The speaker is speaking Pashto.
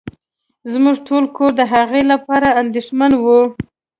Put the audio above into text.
زمونږ ټول کور د هغه لپاره انديښمن وه.